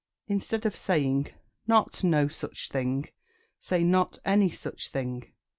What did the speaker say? Instead of saying "Not no such thing," say "Not any such thing."